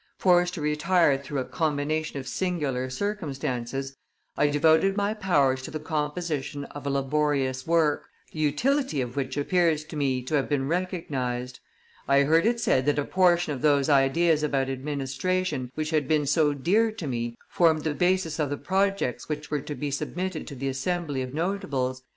Forced to retire through a combination of singular circumstances, I devoted my powers to the composition of a laborious work, the utility of which appears, to me to have been recognized. I heard it said that a portion of those ideas about administration which had been so dear to me formed the basis of the projects which were to be submitted to the Assembly of notables.